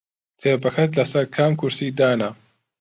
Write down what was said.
کتێبەکەت لەسەر کام کورسی دانا؟